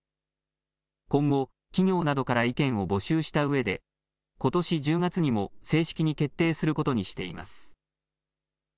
今後、企業などから意見を募集したうえで、ことし１０月にも正式に決定することにしています。